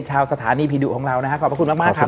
ชาวสถานีผีดุของเรานะฮะขอบพระคุณมากครับ